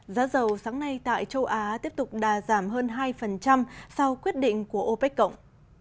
giá dầu sáng nay tại châu á tiếp tục đà giảm hơn hai sau quyết định của opec cộng